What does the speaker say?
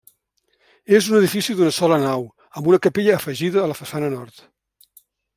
És un edifici d'una sola nau amb una capella afegida a la façana nord.